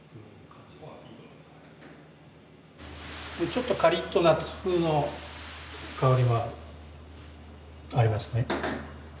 ちょっとカリッとナッツ風の香りがありますね。